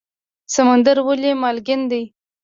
سمندر ولې مالګین دی؟